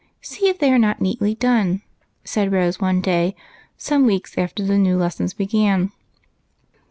See if they are not neatly done," said Rose, one day, some weeks after the new lessons began.